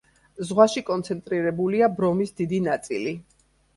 ზღვაში კონცენტრირებულია ბრომის დიდი ნაწილი.